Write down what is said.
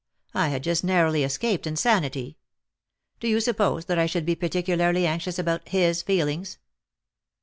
I had just narrowly escaped insanity. Do you suppose that I should be particu larly anxious about Ms feelings?"